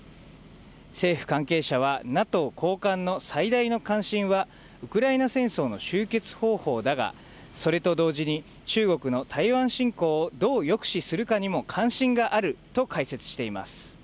政府関係者は、ＮＡＴＯ高官の最大の関心は、ウクライナ戦争の終結方法だが、それと同時に中国の台湾侵攻をどう抑止するかにも関心があると解説しています。